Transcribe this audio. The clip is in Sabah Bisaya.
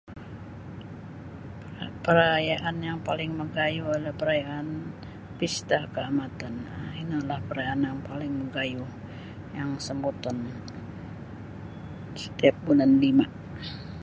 Perayaan yang paling magayuh adalah perayaan Pesta Kaamatan um inolah perayaan yang paling magayuh yang sambuton setiap bulan lima'.